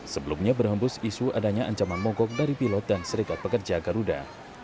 sebelumnya berhembus isu adanya ancaman mogok dari pilot dan serikat pekerja garuda